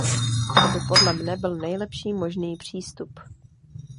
To by podle mne byl nejlepší možný přístup.